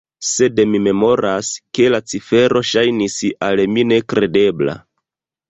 Sed mi memoras, ke la cifero ŝajnis al mi nekredebla.